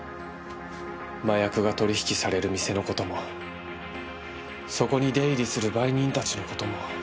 麻薬が取り引きされる店の事もそこに出入りする売人たちの事も。